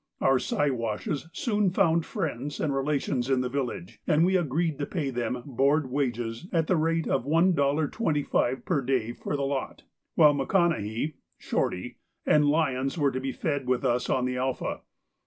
Our Siwashes soon found friends and relations in the village, and we agreed to pay them board wages at the rate of $1.25 per day for the lot, while McConnahay ('Shorty') and Lyons were to feed with us on the 'Alpha.